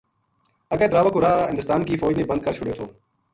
اگے دراوہ کو راہ ہندستان کی فوج نے بند کر چھُڑیو تھو